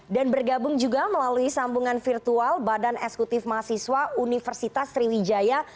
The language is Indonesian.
bergabung juga melalui sambungan virtual badan eksekutif mahasiswa universitas sriwijaya